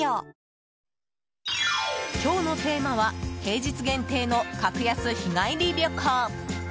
今日のテーマは平日限定の格安日帰り旅行！